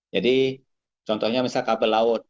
jadi contohnya misalnya kabel laut